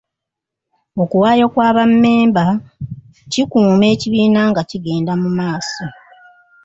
Okuwaayo kwa bammemba kikuuma ekibiina nga kigenda mu maaso.